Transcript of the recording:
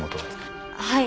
はい。